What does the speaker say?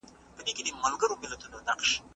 هغه د رواني او اجتماعي وېرو ښه تحلیل کړی دی.